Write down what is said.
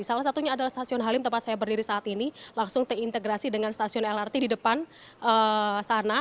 salah satunya adalah stasiun halim tempat saya berdiri saat ini langsung terintegrasi dengan stasiun lrt di depan sana